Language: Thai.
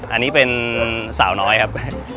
อันนี้เป็นสาวน้อยครับ